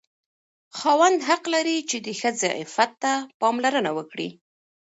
خاوند حق لري چې د ښځې عفت ته پاملرنه وکړي.